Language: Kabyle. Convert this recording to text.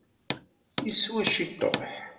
Yeswa ciṭuḥ.